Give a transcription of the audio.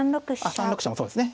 ３六飛車もそうですね。